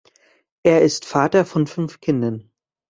Er ist Vater von fünf Kindern.